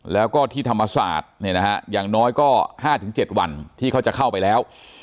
แล้วก็ที่ธรรมศาสตร์อย่างน้อยก็๕๗วันที่เขาจะเข้าไปแล้ว